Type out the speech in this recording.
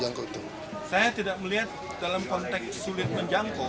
yang dianggap rawan membutuhkankan pelasaran dan sasaran perlawanan di pub